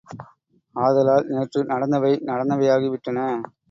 ஆதலால் நேற்று நடந்தவை நடந்தவையாகி விட்டன.